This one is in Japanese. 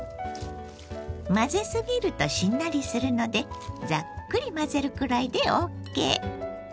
混ぜすぎるとしんなりするのでザックリ混ぜるくらいでＯＫ。